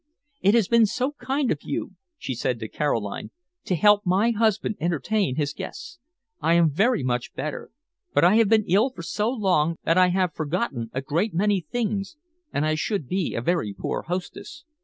"It has been so kind of you," she said to Caroline, "to help my husband entertain his guests. I am very much better, but I have been ill for so long that I have forgotten a great many things, and I should be a very poor hostess.